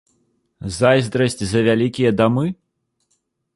Зайздрасць за вялікія дамы?